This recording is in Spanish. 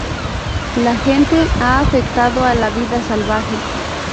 La gente ha afectado a la vida salvaje.